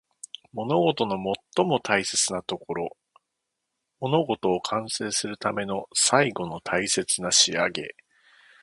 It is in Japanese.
物事の最も大切なところ。物事を完成するための最後の大切な仕上げ。